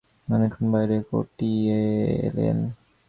অনেকক্ষণ বাইরে কাটিয়ে এলে।